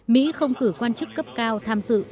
mỹ không cử quan chức cấp cao tham dự